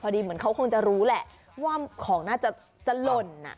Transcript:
เหมือนเขาคงจะรู้แหละว่าของน่าจะหล่นอ่ะ